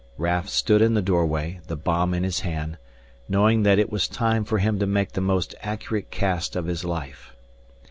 Raf stood in the doorway, the bomb in his hand, knowing that it was time for him to make the most accurate cast of his life.